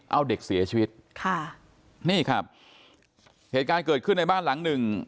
เอาเด็กเสียชีวิตค่ะนี่ครับเหตุการณ์เกิดขึ้นในบ้านหลังหนึ่ง